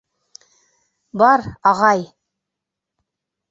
Бар, ағай!